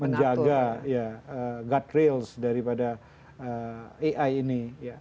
menjaga ya guardrails daripada ai ini